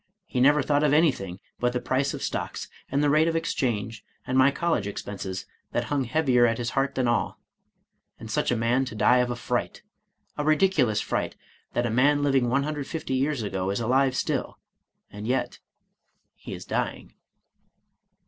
He never thought of anything but the price of stocks, and the rate of exchange, and my college expenses, that hung heavier at his heart than all; and such a man to die of a fright, — a ridiculous fright, that a man living 150 years ago is alive still, and yet — he is dying."